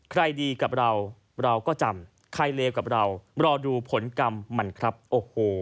ใครดีกับเราเราก็จำใครเลวกับเรารอดูผลกรรมมันครับโอ้โห